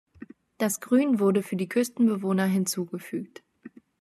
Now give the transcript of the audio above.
Das Grün wurde für die Küstenbewohner hinzugefügt.